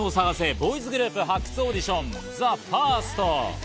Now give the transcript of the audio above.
ボーイズグループ発掘オーディション、ＴＨＥＦＩＲＳＴ。